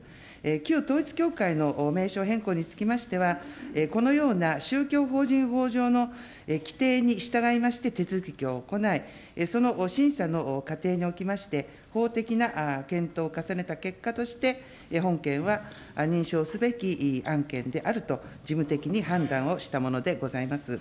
旧統一教会の名称変更につきましては、このような宗教法人法上の規定に従いまして手続きを行い、その審査の過程におきまして、法的な検討を重ねた結果として、本件は認証すべき案件であると、事務的に判断をしたものでございます。